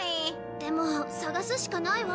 でも捜すしかないわ。